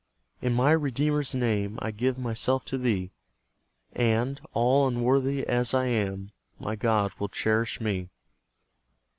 In my Redeemer's name, I give myself to Thee; And, all unworthy as I am, My God will cherish me.